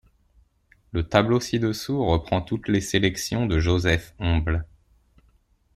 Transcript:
Le tableau ci-dessous reprend toutes les sélections de Joseph Homble.